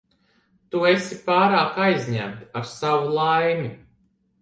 Tu esi pārāk aizņemta ar savu laimi.